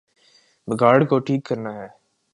بگاڑ کو ٹھیک کرنا ہے۔